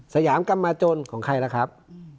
สยามกรรมจนของใครล่ะครับ